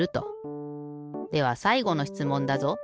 ではさいごのしつもんだぞ。